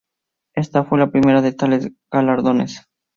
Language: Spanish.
Esta fue la primera de tales galardones.